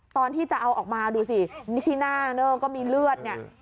ตอนที่จะเอาออกมาดูสินี่ที่หน้าเนอร์ก็มีเลือดเนี่ย